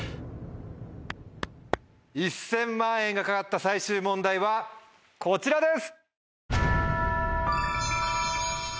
１０００万円が懸かった最終問題はこちらです！